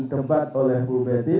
kebat oleh bu beti